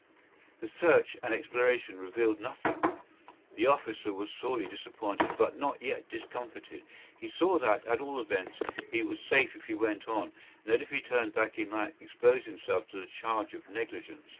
The search and exploration revealed nothing. The officer was sorely disappointed, but not yet discomfited. He saw that, at all events, he was safe if he went on, and that if he turned back he might expose himself to the charge of negligence.